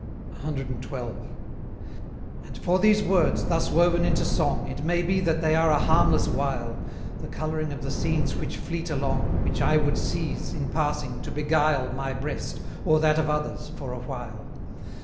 CXII. And for these words, thus woven into song, It may be that they are a harmless wile, The colouring of the scenes which fleet along, Which I would seize, in passing, to beguile My breast, or that of others, for a while.